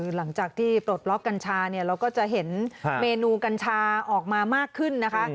หลังจากที่ปลดล็อกกัญชาเนี่ยเราก็จะเห็นเมนูกัญชาออกมามากขึ้นนะคะ